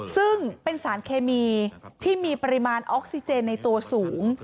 ซึ่งเป็นสารเคมีที่มีปริมาณออกซิเจนในตัวสูง